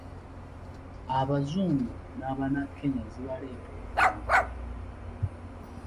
Abazungu n'Abanakenya zibaleeta okulambula.